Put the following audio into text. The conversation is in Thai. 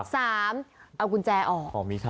สามเอากุญแจออก